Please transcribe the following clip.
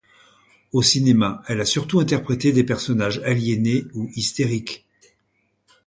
Au cinéma, elle a surtout interprété des personnages aliénés ou hystériques.